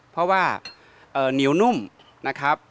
เพราะว่าเหนียวนุ่มนะครับ